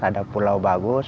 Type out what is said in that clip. ada pulau bagus